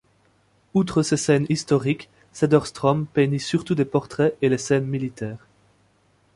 Outre ses scènes historiques, Cederström peignit surtout des portraits et les scènes militaires.